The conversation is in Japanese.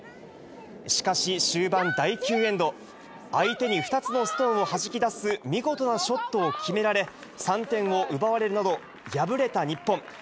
しかし、終盤第９エンド、相手に２つのストーンをはじき出す見事なショットを決められ、３点を奪われるなど、敗れた日本。